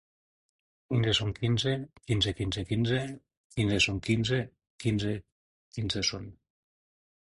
Quinze són quinze, quinze, quinze, quinze, quinze són quinze, quinze, quinze són.